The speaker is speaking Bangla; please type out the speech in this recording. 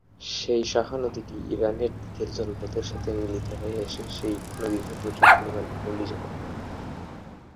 সেই শাখা নদীটি ইরানের দিকের জলপথের সাথে মিলিত হয়ে এসে, এই নদীটিতে প্রচুর পরিমাণে পলি জমা করে।